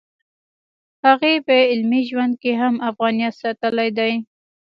هغې په عملي ژوند کې هم افغانیت ساتلی دی